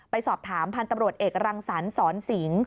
ไปสอบถามพันธุ์ตำรวจเอกรังสรรสอนสิง